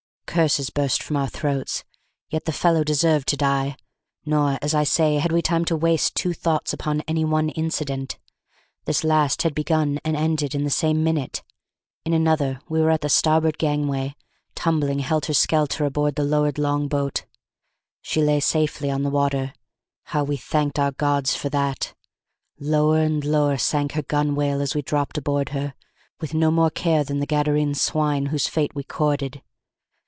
Curses burst from our throats; yet the fellow deserved to die. Nor, as I say, had we time to waste two thoughts upon any one incident. This last had begun and ended in the same minute; in another we were at the starboard gangway, tumbling helter skelter aboard the lowered long boat. She lay safely on the water: how we thanked our gods for that! Lower and lower sank her gunwale as we dropped aboard her, with no more care than the Gadarene swine whose fate we courted.